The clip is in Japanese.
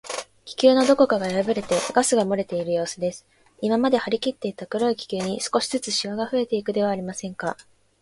気球のどこかがやぶれて、ガスがもれているようすです。今まではりきっていた黒い気球に、少しずつしわがふえていくではありませんか。